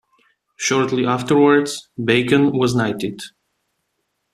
Shortly afterwards, Bacon was knighted.